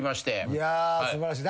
いや素晴らしい。